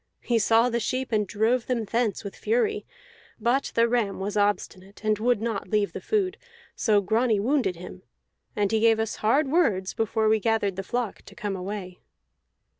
He saw the sheep, and drove them thence with fury; but the ram was obstinate, and would not leave the food, so Grani wounded him. And he gave us hard words before we gathered the flock to come away."